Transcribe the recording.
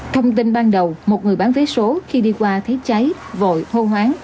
thông tin ban đầu một người bán vé số khi đi qua thấy cháy vội hô hoáng